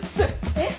えっ？